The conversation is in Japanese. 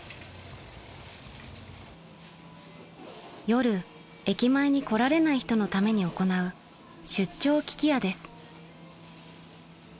［夜駅前に来られない人のために行う出張聞き屋です］